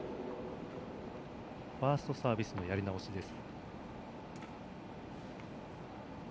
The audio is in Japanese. ファーストサービスやり直しです。